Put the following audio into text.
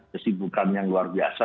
kesibukan yang luar biasa